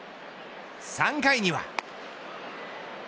３回には。